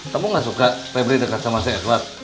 kamu gak suka pebri dekat sama si edward